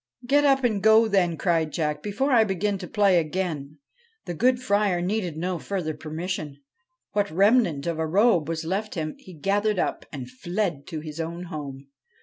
' Get up and go, then,' cried Jack, ' before I begin to play again.' The good Friar needed no further permission. What remnant of a robe was left him he gathered up, and fled to his own home.